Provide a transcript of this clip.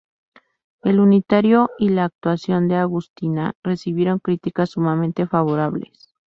El unitario, y la actuación de Agustina, recibieron críticas sumamente favorables.